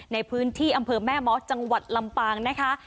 ในพื้นที่อำเภอแม่มอสจังหวัดลำปางนะคะ